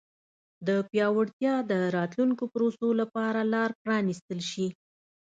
د پیاوړتیا د راتلونکو پروسو لپاره لار پرانیستل شي.